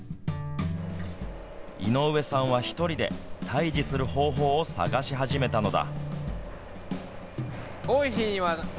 井上さんは１人で退治する方法を探し始めたのだ。